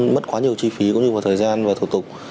mất quá nhiều chi phí cũng như một thời gian và thủ tục